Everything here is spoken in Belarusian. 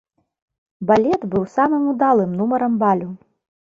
Балет быў самым удалым нумарам балю.